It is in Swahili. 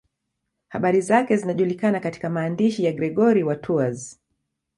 Habari zake zinajulikana katika maandishi ya Gregori wa Tours.